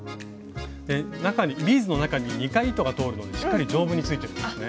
ビーズの中に２回糸が通るのでしっかり丈夫についてるんですね。